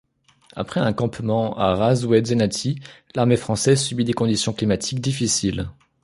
Après un campement à Raz-Oued-Zenati, l'armée française subit des conditions climatiques difficiles.